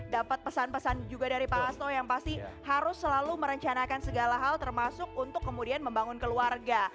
dapat pesan pesan juga dari pak asto yang pasti harus selalu merencanakan segala hal termasuk untuk kemudian membangun keluarga